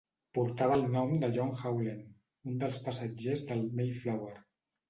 Portava el nom de John Howland, un dels passatgers del "Mayflower".